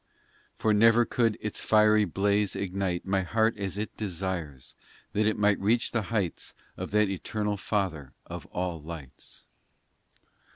VI For never could Its fiery blaze ignite My heart as it desires That it might reach the heights Of that eternal Father of all lights.